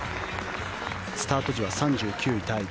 スタート時は３９位タイ。